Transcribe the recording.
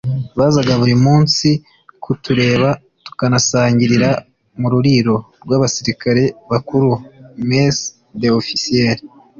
Bazaga buri munsi kutureba tukanasangirira mu ruriro rw’abasikare bakuru (Mess des officiers